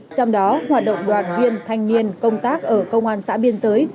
trong đó hoạt động đoàn viên thanh niên công tác ở công an xã biên giới